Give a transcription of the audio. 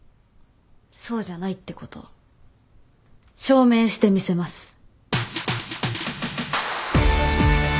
そうじゃないってこと証明してみせます。